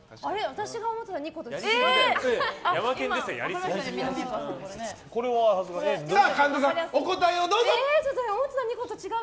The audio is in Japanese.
私が思ってた２個と違う。